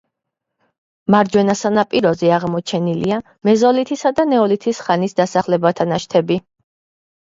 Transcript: მარჯვენა სანაპიროზე აღმოჩენილია მეზოლითისა და ნეოლითის ხანის დასახლებათა ნაშთები.